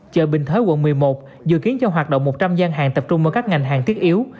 chợ bình thới quận một mươi một dự kiến cho hoạt động một trăm linh gian hàng tập trung vào các ngành hàng thiết yếu